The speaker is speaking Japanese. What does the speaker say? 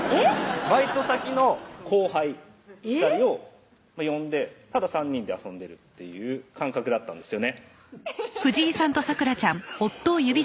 バイト先の後輩２人を呼んでただ３人で遊んでるっていう感覚だったんですよねフフフフフッほんま？